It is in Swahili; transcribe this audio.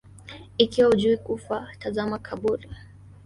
Ikiwa hujui kufa, tazama kaburi